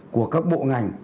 của các bộ ngành